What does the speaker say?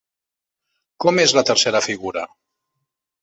Com és la tercera figura?